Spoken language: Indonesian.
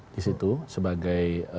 di situ sebagai